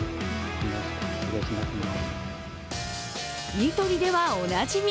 ニトリではおなじみ。